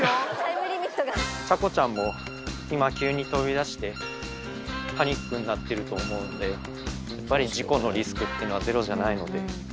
ちゃこちゃんも、今、急に飛び出して、パニックになってると思うので、やっぱり事故のリスクというのもゼロじゃないので。